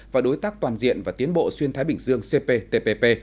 và đối tác toàn diện và tiến bộ xuyên thái bình dương cptpp